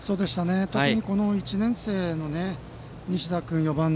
特に１年生の西田君、４番。